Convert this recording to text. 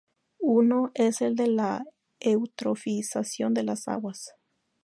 Uno es el de la eutrofización de las aguas.